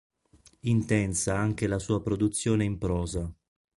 Intensa anche la sua produzione in prosa.